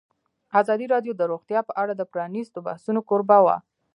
ازادي راډیو د روغتیا په اړه د پرانیستو بحثونو کوربه وه.